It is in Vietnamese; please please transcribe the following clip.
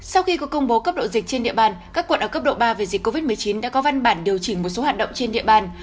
sau khi có công bố cấp độ dịch trên địa bàn các quận ở cấp độ ba về dịch covid một mươi chín đã có văn bản điều chỉnh một số hoạt động trên địa bàn